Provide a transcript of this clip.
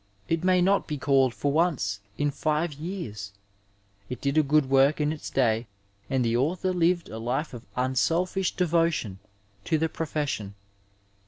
It may not be called for once in five years ; it did a good work in its day, and the author lived a life of unselfish devotion to the profession.